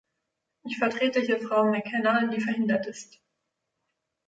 Ich vertrete hier Frau McKenna, die verhindert ist.